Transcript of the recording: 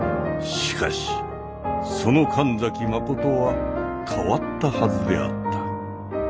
しかしその神崎真は変わったはずであった。